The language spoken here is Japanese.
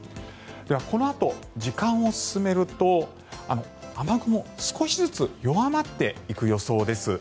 では、このあと時間を進めると雨雲、少しずつ弱まっていく予想です。